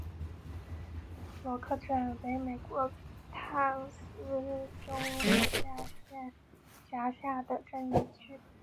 罗克镇区为美国堪萨斯州马歇尔县辖下的镇区。